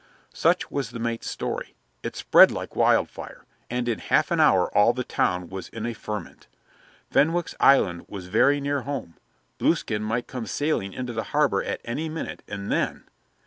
Such was the mate's story. It spread like wildfire, and in half an hour all the town was in a ferment. Fenwick's Island was very near home; Blueskin might come sailing into the harbor at any minute and then